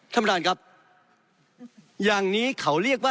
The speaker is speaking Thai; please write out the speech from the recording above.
ท่านประธานครับอย่างนี้เขาเรียกว่า